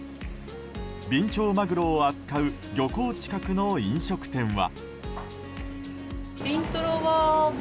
ビンチョウマグロを扱う漁港近くの飲食店は。